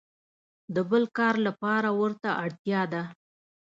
د بل کار لپاره ورته اړتیا ده.